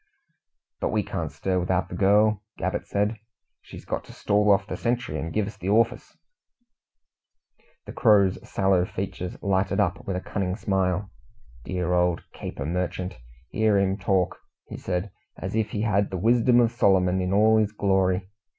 "But we can't stir without the girl," Gabbett said. "She's got to stall off the sentry and give us the orfice." The Crow's sallow features lighted up with a cunning smile. "Dear old caper merchant! Hear him talk!" said he, "as if he had the wisdom of Solomon in all his glory?